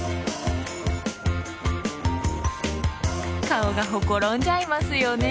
顔がほころんじゃいますよね。